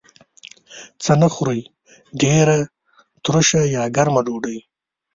څه نه خورئ؟ ډیره تروشه یا ګرمه ډوډۍ